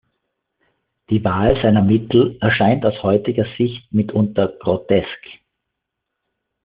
Die Wahl seiner Mittel erscheint aus heutiger Sicht mitunter grotesk.